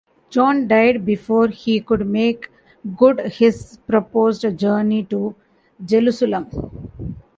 John died before he could make good his proposed journey to Jerusalem.